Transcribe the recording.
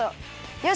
よし！